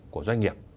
của doanh nghiệp